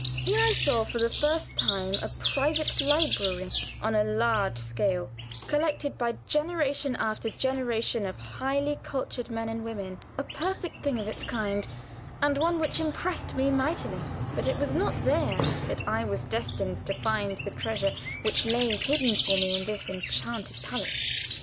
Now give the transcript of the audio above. Here I saw for the first time a private library on a large scale, collected by generation after generation of highly cultured men and women a perfect thing of its kind, and one which impressed me mightily; but it was not there that I was destined to find the treasure which lay hidden for me in this enchanted palace.